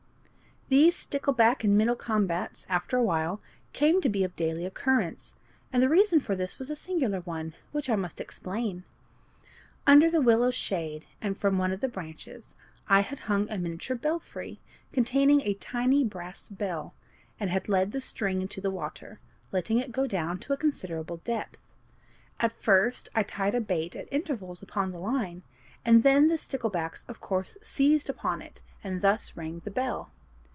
These stickleback and minnow combats, after a while, came to be of daily occurrence, and the reason for this was a singular one, which I must explain. Under the willow shade, and from one of the branches, I had hung a miniature "belfry," containing a tiny brass bell, and had led the string into the water, letting it go down to a considerable depth. At first, I tied a bait at intervals upon the line, and the sticklebacks, of course, seized upon it, and thus rang the bell.